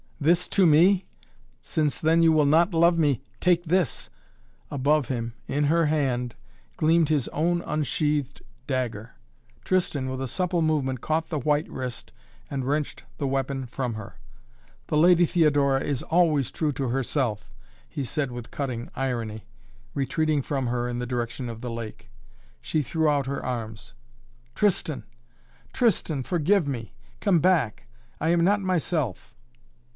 This to me? Since then you will not love me take this " Above him, in her hand, gleamed his own unsheathed dagger. Tristan with a supple movement caught the white wrist and wrenched the weapon from her. "The Lady Theodora is always true to herself," he said with cutting irony, retreating from her in the direction of the lake. She threw out her arms. "Tristan Tristan forgive me! Come back I am not myself."